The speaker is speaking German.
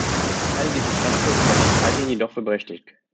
Ich teile diesen Standpunkt zwar nicht, halte ihn jedoch für berechtigt.